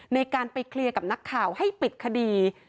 ในการไปเคลียร์กับนักข่าวให้ปิดคดี